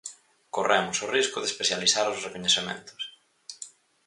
Corremos o risco de especializar os recoñecementos.